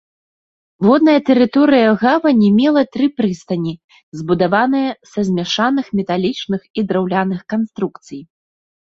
Водная тэрыторыя гавані мела тры прыстані, збудаваныя са змяшаных металічных і драўляных канструкцый.